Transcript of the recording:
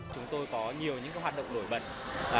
chúng tôi có nhiều những hoạt động nổi bật